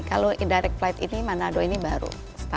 kalau indirect flight ini manado ini baru